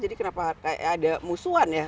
jadi kenapa ada musuhan ya